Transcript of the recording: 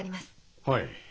はい。